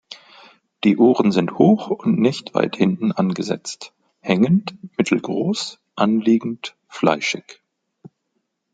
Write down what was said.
Die Ohren sind hoch und nicht weit hinten angesetzt, hängend, mittelgroß, anliegend, fleischig.